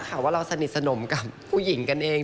ข่าวว่าเราสนิทสนมกับผู้หญิงกันเอง